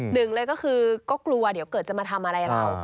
หนึ่งเลยก็คือก็กลัวเดี๋ยวเกิดจะมาทำอะไรเรา